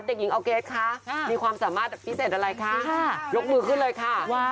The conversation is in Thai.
เด็กหญิงออร์เกสคะมีความสามารถพิเศษอะไรคะยกมือขึ้นเลยค่ะ